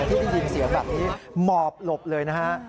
ที่ได้ยินเสียงแบบนี้หมอบหลบเลยนะฮะ